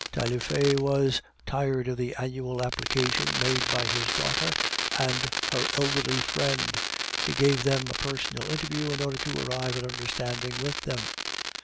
Taillefer was tired of the annual application made by his daughter and her elderly friend; he gave them a personal interview in order to arrive at an understanding with them.